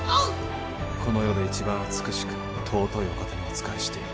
この世で一番美しく尊いお方にお仕えしている。